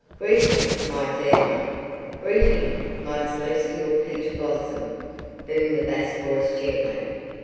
"Greeting, my Fair One! Greeting, my Celestial Peach Blossom!" boomed the bass voice gently.